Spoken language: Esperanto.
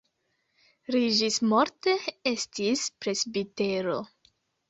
Li ĝismorte estis presbitero.